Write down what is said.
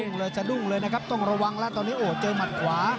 ่งเลยสะดุ้งเลยนะครับต้องระวังแล้วตอนนี้โอ้เจอหมัดขวา